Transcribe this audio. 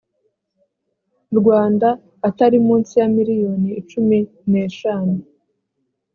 rwanda atari munsi ya miliyoni icumi n eshanu